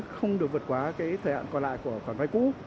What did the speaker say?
không được vượt qua cái thời hạn còn lại của khoảng vay cũ